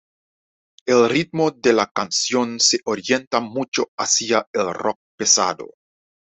El ritmo de la canción se orienta mucho hacia el rock pesado.